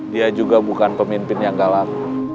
dia juga bukan pemimpin yang galak